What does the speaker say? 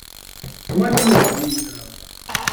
S wannuz d yiseɣ.